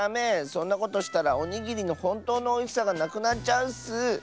そんなことしたらおにぎりのほんとうのおいしさがなくなっちゃうッス！